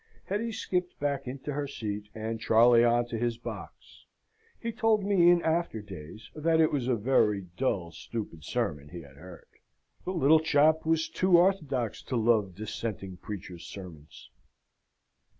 Hetty skipped back into her seat, and Charley on to his box. He told me in after days, that it was a very dull, stupid sermon he had heard. The little chap was too orthodox to love dissenting preachers' sermons.